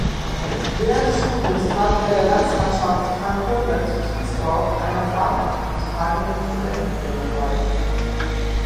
Während des Studiums trat er der Landsmannschaft Frankonia zu Triesdorf einer farbentragenden Studentenverbindung bei.